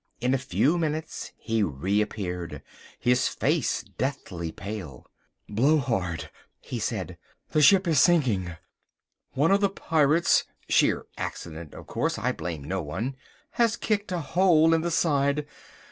In a few minutes he re appeared, his face deadly pale. "Blowhard," he said, "the ship is sinking. One of the pirates (sheer accident, of course, I blame no one) has kicked a hole in the side.